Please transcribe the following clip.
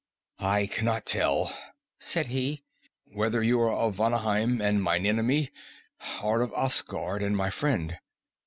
"I can not tell," said he, "whether you are of Vanaheim and mine enemy, or of Asgard and my friend.